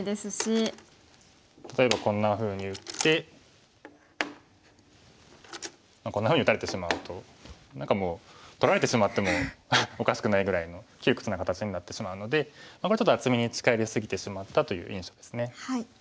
例えばこんなふうに打ってこんなふうに打たれてしまうと何かもう取られてしまってもおかしくないぐらいの窮屈な形になってしまうのでこれはちょっと厚みに近寄り過ぎてしまったという印象ですね。